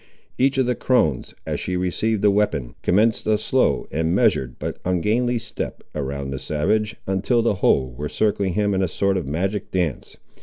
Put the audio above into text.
Each of the crones, as she received the weapon, commenced a slow and measured, but ungainly, step, around the savage, until the whole were circling him in a sort of magic dance.